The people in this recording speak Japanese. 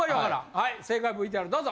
はい正解ＶＴＲどうぞ。